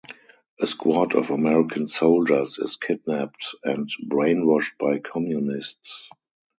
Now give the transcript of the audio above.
A squad of American soldiers is kidnapped and brainwashed by Communists.